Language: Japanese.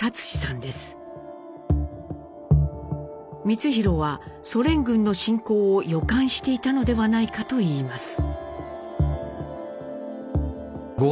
光宏はソ連軍の侵攻を予感していたのではないかといいます。